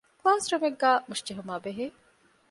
ކްލާސްރޫމެއްގައި މުށިޖެހުމާބެހޭ